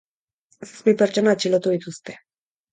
Zazpi pertsona atxilotu dituzte.